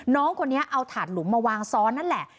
น้องคนนี้เอาถาดหลุมมาวางซ้อนนั่นแหละ